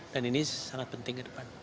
dan ini sangat penting ke depan